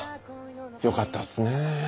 よかったっすねぇ。